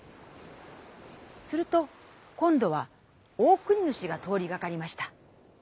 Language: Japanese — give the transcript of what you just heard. すると今どはオオクニヌシが通りかかりました。